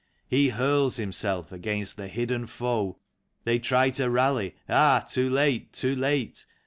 He hurls himself against the hidden foe. They try to rally — ah, too late, too late